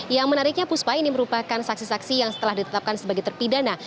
yang menariknya puspa ini merupakan saksi saksi yang setelah ditetapkan sebagai terpidana